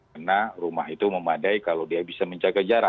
karena rumah itu memadai kalau dia bisa menjaga jarak